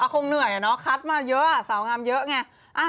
คงเหนื่อยอะเนาะคัดมาเยอะสาวงามเยอะไง